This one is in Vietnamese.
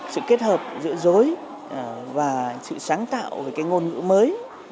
sự kết hợp giữa dối và sự sáng tạo về cái ngôn ngữ mới